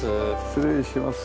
失礼します。